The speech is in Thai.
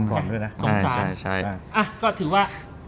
ก็ถือว่า